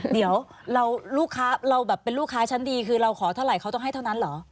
เดี๋ยวลูกค้าเราแบบเป็นลูกค้าชั้นดีคือเราขอเท่าไหร่เขาต้องให้เท่านั้นเหรอ